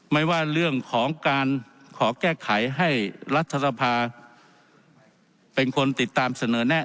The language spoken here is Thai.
ไม่ว่าเรื่องของการขอแก้ไขให้รัฐสภาเป็นคนติดตามเสนอแน่